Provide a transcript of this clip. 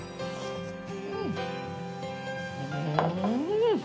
うん！